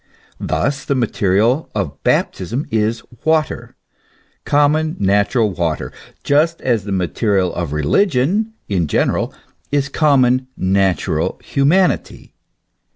Thus the material of baptism is water, common, natural water, just as the material of religion in general is common, natural humanity.